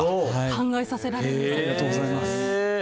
考えさせられます。